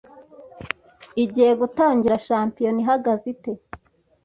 igiye gutangira Shampiyona ihagaze ite